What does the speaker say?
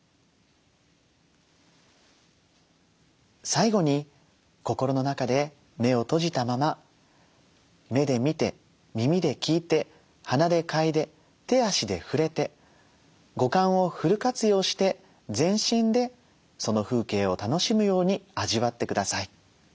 最後に心の中で目を閉じたまま目で見て耳で聞いて鼻で嗅いで手足で触れて五感をフル活用して全身でその風景を楽しむように味わってください。